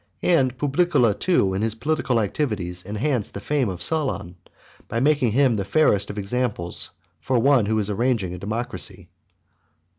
And Publicola, too, in his political activities, enhanced the fame of Solon, by making him the fairest of examples for one who was arranging a democracy.